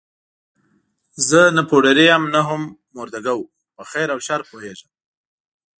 زه نه پوډري یم او نه هم مرده ګو، په خیر او شر پوهېږم.